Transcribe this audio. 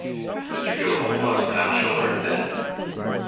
Mr. Gilfil was a bachelor, then?